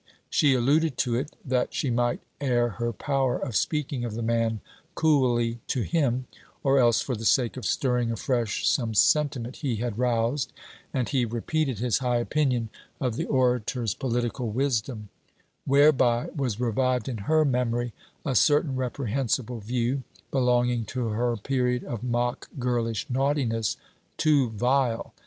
She alluded to it, that she might air her power of speaking of the man coolly to him, or else for the sake of stirring afresh some sentiment he had roused; and he repeated his high opinion of the orator's political wisdom: whereby was revived in her memory a certain reprehensible view, belonging to her period of mock girlish naughtiness too vile!